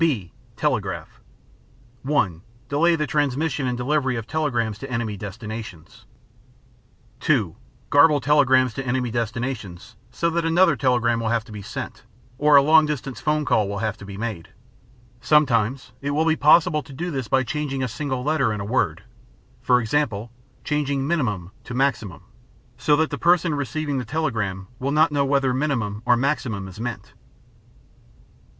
(b) Telegraph (1) Delay the transmission and delivery of telegrams to enemy destinations. (2) Garble telegrams to enemy destinations so that another telegram will have to be sent or a long distance call will have to be made. Sometimes it will be possible to do this by changing a single letter in a word—for example, changing "minimum" to "maximum," so that the person receiving the telegram will not know whether "minimum" or "maximum" is meant.